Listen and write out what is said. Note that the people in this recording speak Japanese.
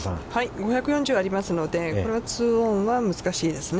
５４０ありますので、これはツーオンは難しいですね。